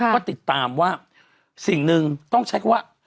ก็ติดตามว่าสิ่งหนึ่งต้องใช้คำว่า